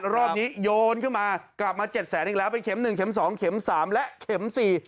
รอบนี้โยนขึ้นมากลับมา๗แสนอีกแล้วเป็นเข็ม๑เข็ม๒เข็ม๓และเข็ม๔